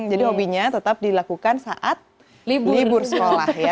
hobinya tetap dilakukan saat libur sekolah ya